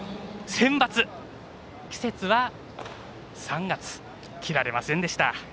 センバツ、季節は３月。着られませんでした。